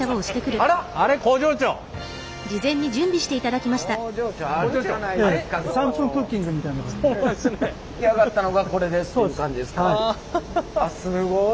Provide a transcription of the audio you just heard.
あっすごい。